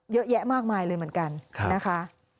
เยอะแยะมากมายเลยเหมือนกันนะคะ